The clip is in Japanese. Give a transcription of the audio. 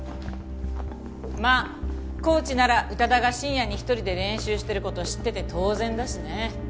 まあコーチなら宇多田が深夜に一人で練習してる事を知ってて当然だしね。